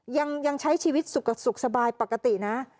ยังใช้ชีวิตสุขสบายปกตินะ